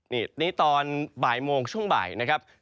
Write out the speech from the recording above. นี่ตอนบ่ายโมงช่วงบ่ายนะครับ